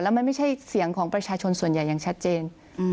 มันไม่ใช่เสียงของประชาชนส่วนใหญ่อย่างชัดเจน